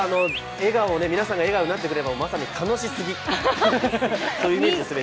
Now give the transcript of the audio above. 皆さんが笑顔になっくれれば、まさに楽しすぎというイメージですね。